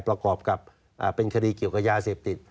ประกอบกับเป็นคดีเกี่ยวกับยาเสพติด